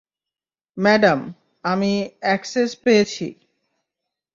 Madam, আমি access পেয়েছি।